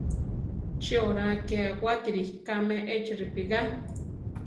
Chi oraa ké awátiri kame echi ripigá?